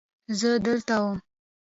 زه دلته وم.